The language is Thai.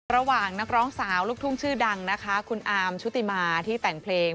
ระหว่างนักร้องสาวลูกทุ่งชื่อดังนะคะคุณอาร์มชุติมาที่แต่งเพลง